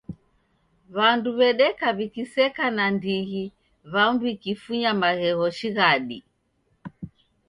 Wandu wedeka wikiseka na ndighi wamu wikifunya maghegho shighadi